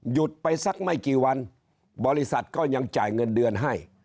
หยุดไปสักไม่กี่วันบริษัทก็ยังจ่ายเงินเดือนให้